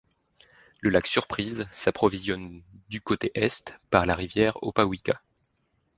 Le lac Surprise s’approvisionne du côté Est par la rivière Opawica.